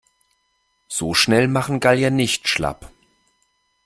So schnell machen Gallier nicht schlapp.